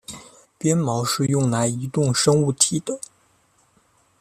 鞭毛是用来移动生物体的。